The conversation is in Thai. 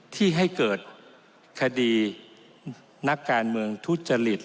ที่ให้เกิดคดีนักการเมืองทุจริต